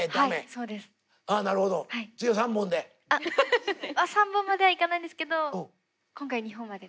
３本まではいかないんですけど今回２本までで。